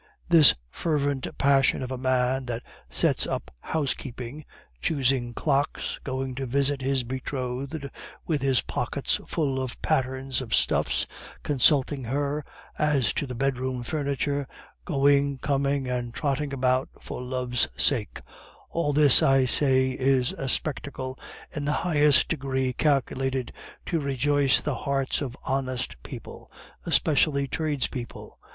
This fervent passion of a man that sets up housekeeping, choosing clocks, going to visit his betrothed with his pockets full of patterns of stuffs, consulting her as to the bedroom furniture, going, coming, and trotting about, for love's sake, all this, I say, is a spectacle in the highest degree calculated to rejoice the hearts of honest people, especially tradespeople.